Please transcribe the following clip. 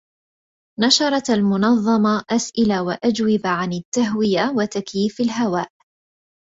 نشرت المنظمة أسئلة وأجوبة عن التهوية وتكييف الهواء